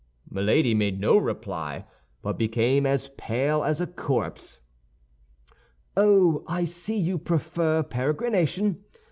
Milady made no reply, but became as pale as a corpse. "Oh, I see you prefer peregrination.